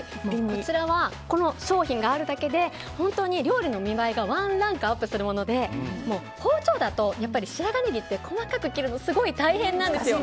こちらはこの商品があるだけで本当に料理の見栄えがワンランクアップするもので包丁だと白髪ねぎって細かく切るのすごい大変なんですよ。